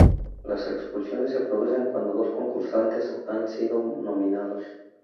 Las expulsiones se producen cuando dos concursantes han sido nominados.